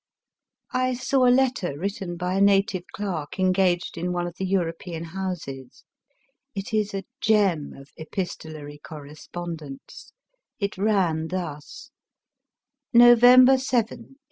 I saw a letter written by a native clerk engaged in one of the European houses. It is a gem of epistolary correspondence. It ran thus: —" November 7, 1883.